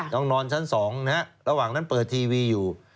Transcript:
น้องปอล์นอนชั้น๒ระหว่างนั้นเปิดทีวีอยู่